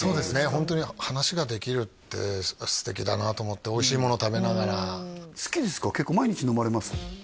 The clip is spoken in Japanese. ホントに話ができるって素敵だなと思っておいしいもの食べながら結構毎日飲まれます？